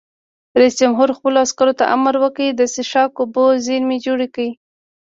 رئیس جمهور خپلو عسکرو ته امر وکړ؛ د څښاک اوبو زیرمې جوړې کړئ!